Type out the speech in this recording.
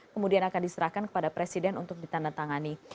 kemudian akan diserahkan kepada presiden untuk ditandatangani